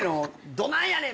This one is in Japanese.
どないやねん！